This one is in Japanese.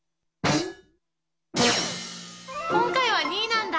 今回は２位なんだ。